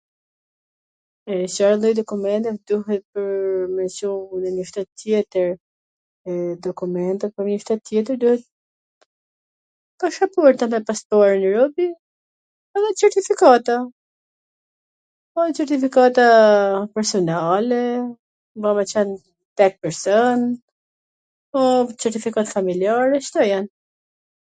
E Cfar lloj dokumentash duhet me Cu nw njw shtet tjetwr, dokumenta pwr njw shtet tjetwr duhet pashaporta s pari robi, edhe Certifikata, ka Certifikata personale, ba me qen tek person, o Certifikat familjare, kto jan .